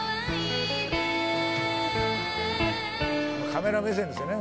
「カメラ目線ですよね」